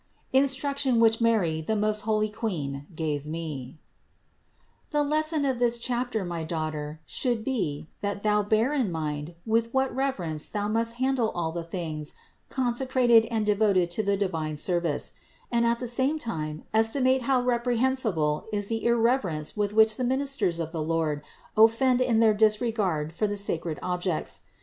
INSTRUCTION WHICH MARY, THE MOST HOLY QUEEN, GAVE ME. 445. The lesson of this chapter, my daughter, should be, that thou bear in mind with what reverence thou must handle all the things consecrated and devoted to the divine service ; and at the same time estimate how repre hensible is the irreverence with which the ministers of the Lord offend in their disregard for the sacred objects.